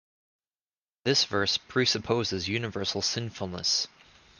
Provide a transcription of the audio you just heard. This verse presupposes universal sinfulness.